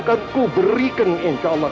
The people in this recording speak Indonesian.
kau berikan insya allah